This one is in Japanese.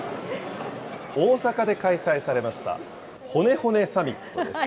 大阪で開催されました、ホネホネサミットです。